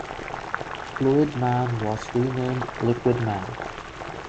Fluid Man was renamed Liquid Man.